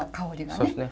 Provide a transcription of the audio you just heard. そうですね